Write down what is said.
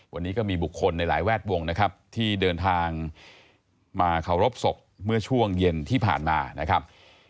วันนี้ก็มีบุคคลในหลายแวดวงนะครับที่เดินทางมาเคารพศพเมื่อช่วงเย็นที่ผ่านมานะครับ